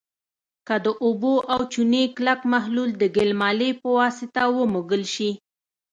که د اوبو او چونې کلک محلول د ګلمالې په واسطه ومږل شي.